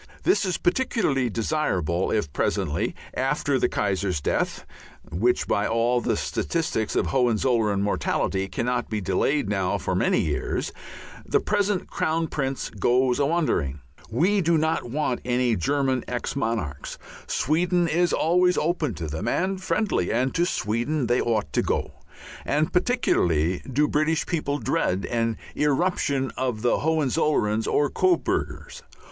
This is particularly desirable if presently, after the Kaiser's death which by all the statistics of Hohenzollern mortality cannot be delayed now for many years the present Crown Prince goes a wandering. We do not want any German ex monarchs; Sweden is always open to them and friendly, and to Sweden they ought to go; and particularly do British people dread an irruption of Hohenzollerns or Coburgers.